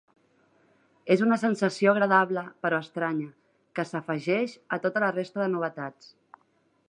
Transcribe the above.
És una sensació agradable però estranya, que s'afegeix a tota la resta de novetats.